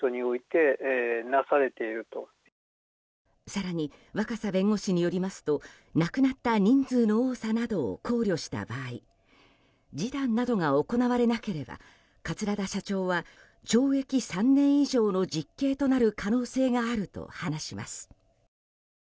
更に若狭弁護士によりますと亡くなった人数の多さなどを考慮した場合示談などが行われなければ桂田社長は懲役３年以上の実刑となる可能性があると話します。